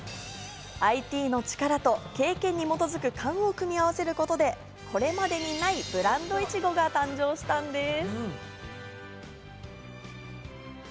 ＩＴの力と経験に基づく勘を組み合わせることで、これまでにないブランドいちごが誕生したんです。